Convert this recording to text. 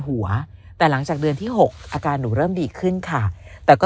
หัวแต่หลังจากเดือนที่๖อาการหนูเริ่มดีขึ้นค่ะแต่ก็